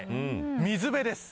水辺です。